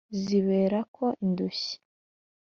zibera ko indushyi.